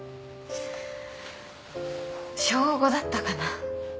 小５だったかな。